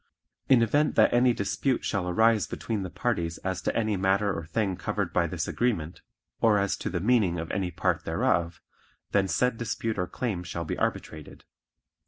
In event that any dispute shall arise between the parties as to any matter or thing covered by this agreement, or as to the meaning of any part thereof, then said dispute or claim shall be arbitrated.